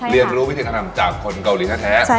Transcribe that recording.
เรียนรู้วิธีธรรมจากคนเกาหลีแท้